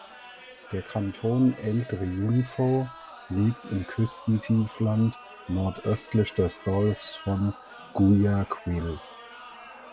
Der Kanton El Triunfo liegt im Küstentiefland nordöstlich des Golfs von Guayaquil.